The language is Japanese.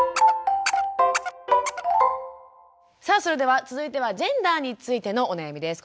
さあそれでは続いてはジェンダーについてのお悩みです。